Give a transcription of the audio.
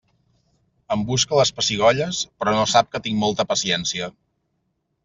Em busca les pessigolles, però no sap que tinc molta paciència.